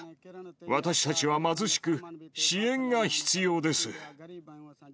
私たちは貧しく、支援が必要です。